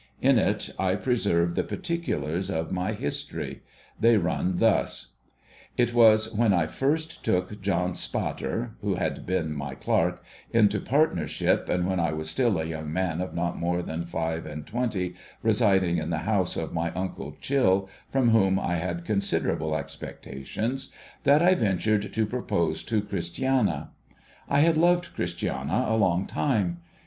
In it, I preserve the particulars of my history ; they run thus : It was when I first took John Spatter (who had been my clerk) into partnership, and when I was still a young man of not more than five and twenty, residing in the house of my uncle Chill, from whom I had considerable expectations, that I ventured to propose to Christiana. I had loved (Christiana a long time.